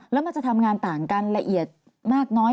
แล้วมันจะทำงานต่างกันละเอียดมากน้อย